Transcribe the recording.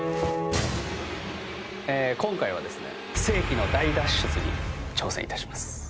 今回は、世紀の大脱出に挑戦いたします。